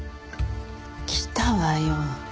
来たわよ。